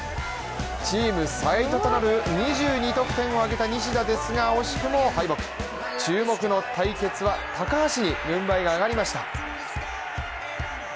チーム最多となる２２得点を挙げた西田ですが惜しくも敗北、注目の対決は、高橋に軍配が上がりました。